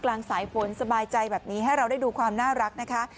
กลางสายฝนสบายใจแบบนี้ให้เราได้ดูความน่ารักนะคะ